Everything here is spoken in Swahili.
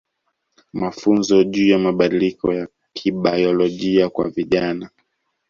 Mafunzo juu ya mabadiliko ya kibayolojia kwa vijana